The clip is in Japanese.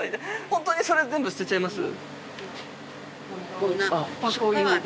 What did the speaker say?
ホントにそれ全部捨てちゃいます？